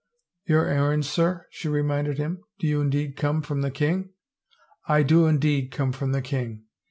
"Your errand, sir?" she reminded him. "Do you indeed come from the king? "" I do indeed come from the king.